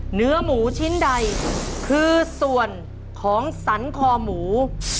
เนื้อหมูชิ้นใดคือส่วนของสรรคอหมู